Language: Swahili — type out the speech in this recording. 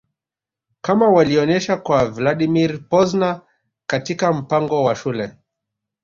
kama walionyesha kwa Vladimir Pozner katika mpango wa Shule